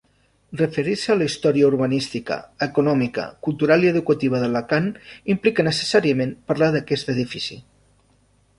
Referir-se a la història urbanística, econòmica, cultural i educativa d’Alacant implica necessàriament parlar d’aquest edifici.